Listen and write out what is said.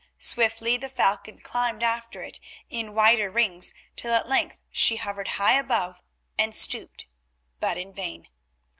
Swiftly the falcon climbed after it in wider rings till at length she hovered high above and stooped, but in vain.